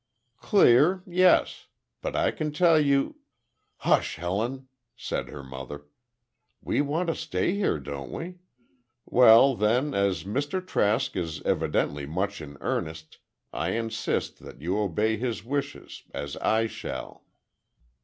"Clear? Yes; but I can tell you—" "Hush, Helen," said her mother. "We want to stay here, don't we? Well, then, as Mr. Trask is evidently much in earnest, I insist that you obey his wishes—as I shall."